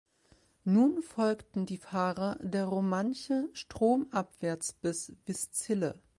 Nun folgten die Fahrer der Romanche stromabwärts bis Vizille.